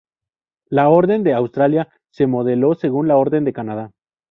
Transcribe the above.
La Orden de Australia se modeló según la Orden de Canadá.